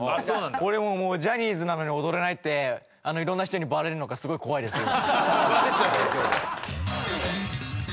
俺もうジャニーズなのに踊れないって色んな人にバレるのがすごい怖いです今。